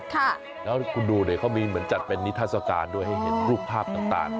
แล้วคุณดูดิเขามีเหมือนจัดเป็นนิทัศกาลด้วยให้เห็นรูปภาพต่าง